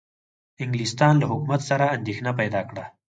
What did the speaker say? انګلستان له حکومت سره اندېښنه پیدا کړه.